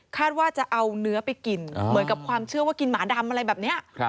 ว่าจะเอาเนื้อไปกินเหมือนกับความเชื่อว่ากินหมาดำอะไรแบบนี้